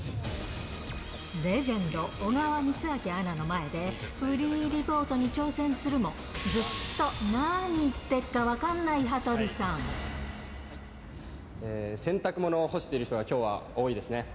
レジェンド、小川光明アナの前で、フリーリポートに挑戦するも、ずっと何言ってっか分かんなえー、洗濯物を干している人がきょうは多いですね。